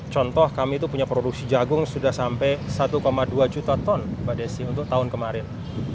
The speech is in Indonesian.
contoh kami itu punya produksi jagung sudah sampai satu dua juta ton mbak desi untuk tahun kemarin